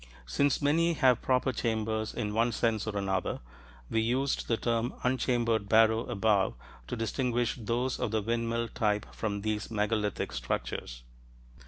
Since many have proper chambers, in one sense or another, we used the term "unchambered barrow" above to distinguish those of the Windmill Hill type from these megalithic structures.